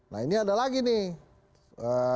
nah ini ada lagi nih